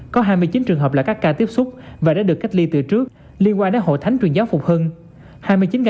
có hai mươi chín trường hợp là các ca tiếp xúc và đã được cách ly từ trước liên quan đến hội thánh truyền giáo phục hưng